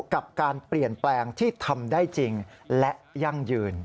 กับการเปลี่ยนแปลงที่ทำได้จริงและยั่งยืน